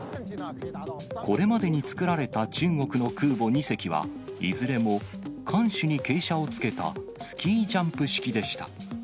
これまでに造られた中国の空母２隻は、いずれも艦首に傾斜をつけたスキージャンプ式でした。